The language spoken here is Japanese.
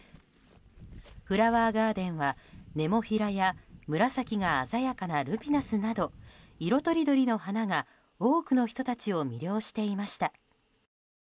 フラワーガーデンはネモフィラや紫が鮮やかなルピナスなど色とりどりの花が多くの人たちを魅了していました。